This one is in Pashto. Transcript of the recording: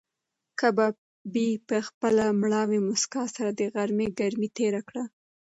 کبابي په خپله مړاوې موسکا سره د غرمې ګرمي تېره کړه.